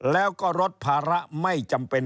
แล้วก็ลดภาระไม่จำเป็น